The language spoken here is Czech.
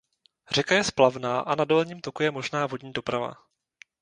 Řeka je splavná a na dolním toku je možná vodní doprava.